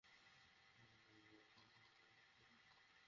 অঙ্কে সেটা বছরে দুই থেকে সাড়ে তিন কোটি টাকা পর্যন্ত হতে পারে।